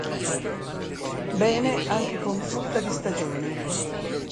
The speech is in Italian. Bene anche con frutta di stagione.